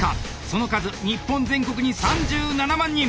その数日本全国に３７万人。